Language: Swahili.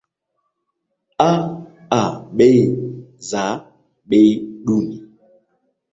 aa bei zaa bei duni